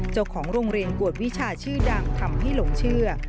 เจ้าของโรงเรียนกวดวิชาชื่อดังทำให้หลงเชื่อ